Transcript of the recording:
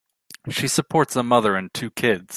She supports a mother and two kids.